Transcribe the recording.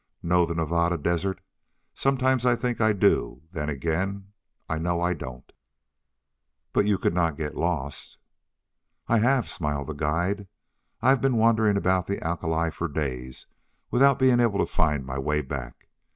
Know the Nevada Desert? Sometimes I think I do; then again, I know I don't." "But you could not get lost " "I have," smiled the guide. "I've been wandering about the alkali for days without being able to find my way back.